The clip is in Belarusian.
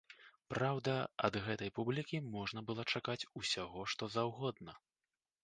Праўда, ад гэтай публікі можна было чакаць усяго што заўгодна.